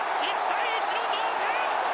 １対１の同点！